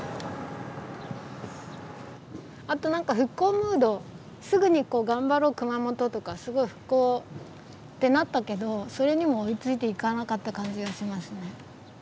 あとなんか復興ムードすぐにこう「頑張ろう熊本」とかすごい復興ってなったけどそれにも追いついていかなかった感じがしますね。